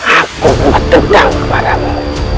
aku bertedang kepada mu